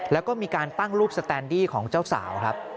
แล้วก็มีการตั้งรูปสแตนดี้ของเจ้าสาวครับ